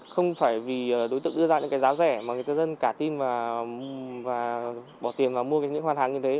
không phải vì đối tượng đưa ra những cái giá rẻ mà người dân cả tin và bỏ tiền vào mua những cái hoạt hàng như thế